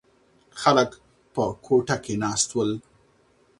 خلک په کوټه کې ناست ول.